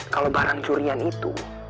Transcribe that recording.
kalau barang curian itu